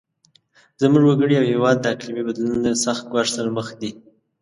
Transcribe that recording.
زموږ وګړي او هیواد د اقلیمي بدلون له سخت ګواښ سره مخ دي.